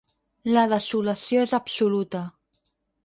La desolació és absoluta.